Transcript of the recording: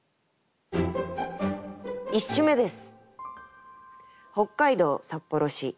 １首目です。